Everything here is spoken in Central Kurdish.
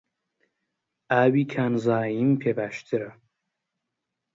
ئاوی کانزاییم پێ باشترە.